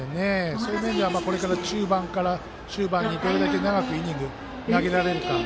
そういう面ではこれから中盤から終盤にどれだけ長くイニング投げられるか。